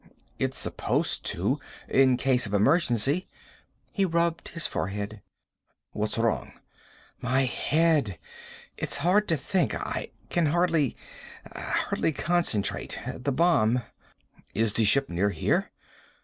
"It's supposed to. In case of emergency." He rubbed his forehead. "What's wrong?" "My head. It's hard to think. I can hardly hardly concentrate. The bomb." "Is the ship near here?"